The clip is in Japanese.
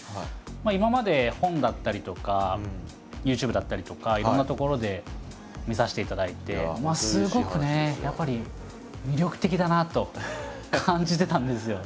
今まで本だったりとかＹｏｕＴｕｂｅだったりとかいろんなところで見させていただいてすごくねやっぱり魅力的だなと感じてたんですよ。